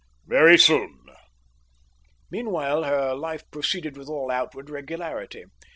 "Very soon." Meanwhile her life proceeded with all outward regularity.